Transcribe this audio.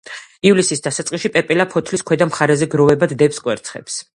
ივლისის დასაწყისში პეპელა ფოთლის ქვედა მხარეზე გროვებად დებს კვერცხებს.